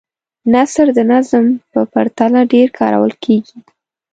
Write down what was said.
نثر د نظم په پرتله ډېر کارول کیږي.